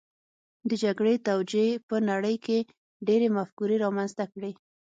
د جګړې توجیې په نړۍ کې ډېرې مفکورې رامنځته کړې